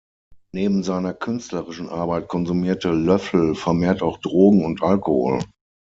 Neben seiner künstlerischen Arbeit konsumierte Löffel vermehrt auch Drogen und Alkohol.